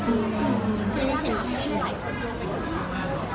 อืมเห็นแล้วค่ะแต่ว่าหนูคิดว่าในส่วนของหนูเป็นเด็ก